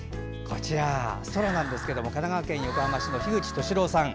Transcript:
空なんですけども神奈川県横浜市の樋口俊朗さん。